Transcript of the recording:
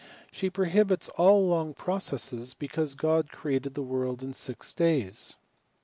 She prohibits all long processes, because God created the world in six days.